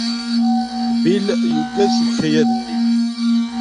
Bill yuggad seg ukayad-nni.